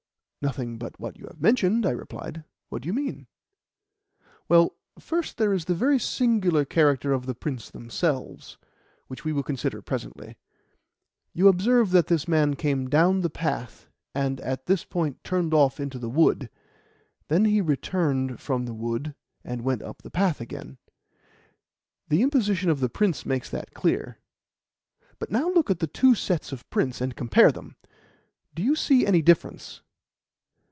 "Nothing but what you have mentioned," I replied. "What do you mean?" "Well, first there is the very singular character of the prints themselves, which we will consider presently. You observe that this man came down the path, and at this point turned off into the wood; then he returned from the wood and went up the path again. The imposition of the prints makes that clear. But now look at the two sets of prints, and compare them. Do you notice any difference?"